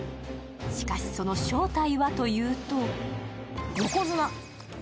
しかし、その正体はというと横綱。